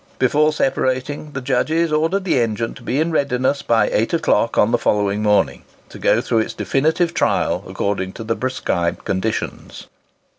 Before separating, the judges ordered the engine to be in readiness by eight o'clock on the following morning, to go through its definitive trial according to the prescribed conditions.